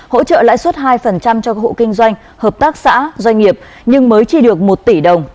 hỗ trợ lãi suất hai cho các hộ kinh doanh hợp tác xã doanh nghiệp nhưng mới chỉ được một tỷ đồng